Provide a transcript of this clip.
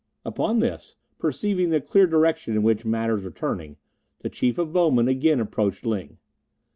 Upon this, perceiving the clear direction in which matters were turning, the Chief of Bowmen again approached Ling.